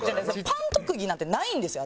パン特技なんてないんですよ